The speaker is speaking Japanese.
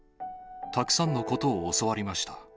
たくさんのことを教わりました。